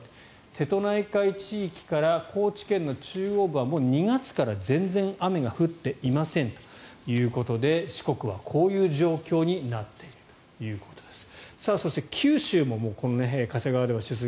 瀬戸内海地域から高知県の中央部はもう２月から、全然雨が降っていませんということで四国はこういう状況になっているということです。